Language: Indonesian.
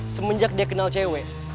semenjak dia kenal cewek